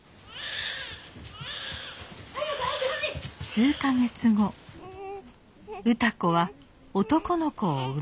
数か月後歌子は男の子を産みました。